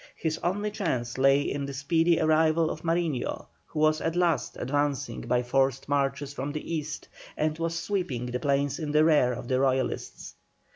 His only chance lay in the speedy arrival of Mariño, who was at last advancing by forced marches from the East, and was sweeping the plains in the rear of the Royalists.